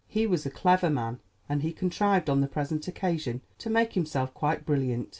He was a clever man, and he contrived on the present occasion to make himself quite brilliant.